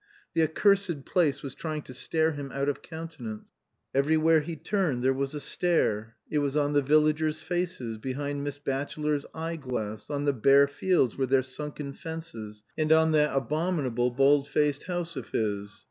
The accursed place was trying to stare him out of countenance. Everywhere he turned there was a stare: it was on the villagers' faces, behind Miss Batchelor's eye glass, on the bare fields with their sunken fences, and on that abominable bald faced house of his.